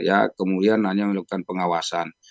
ya kemudian hanya melakukan pengawasan